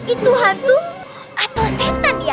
itu hantu atau setan ya